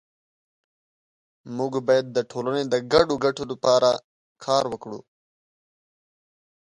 مونږ باید د ټولنې د ګډو ګټو لپاره کار وکړو